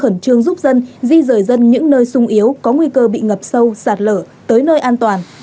khẩn trương giúp dân di rời dân những nơi sung yếu có nguy cơ bị ngập sâu sạt lở tới nơi an toàn